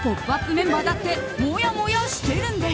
メンバーだってもやもやしてるんです！